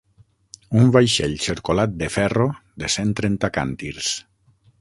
Un vaixell cercolat de ferro de cent trenta càntirs.